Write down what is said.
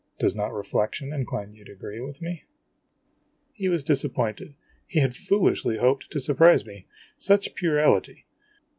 Does not reflection incline you to agree with me ?' He was disappointed. He had foolishly hoped to surprise me such puerility!